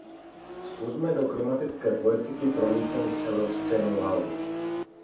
Zkusme do klimatické politiky promítnout evropské know-how.